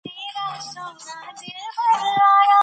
ایا کبابي به وکولی شي چې خپله راډیو بنده کړي؟